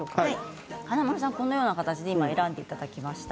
このような形で選んでいただきました。